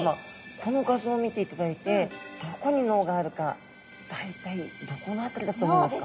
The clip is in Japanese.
この画像を見ていただいて大体どこの辺りだと思いますか？